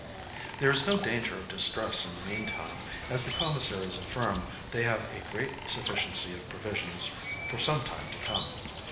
There is no danger of distress in the mean time, as the commissaries affirm they have a great sufficiency of provisions for some time to come.